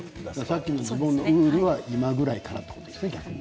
さっきのウールは今ぐらいからということですね。